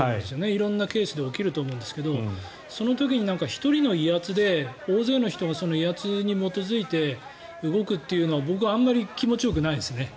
色んなケースで起きると思うんですがその時に１人の威圧で大勢の人が威圧に基づいて動くというのは僕はあんまり気持ちよくないですね。